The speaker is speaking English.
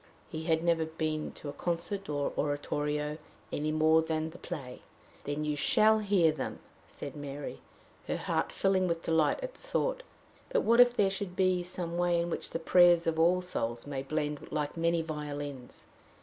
He had never been to concert or oratorio, any more than the play. "Then you shall hear them," said Mary, her heart filling with delight at the thought. " But what if there should be some way in which the prayers of all souls may blend like many violins?